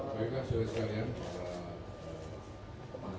baiklah saya sekalian akan berbicara tentang